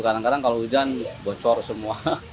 kadang kadang kalau hujan bocor semua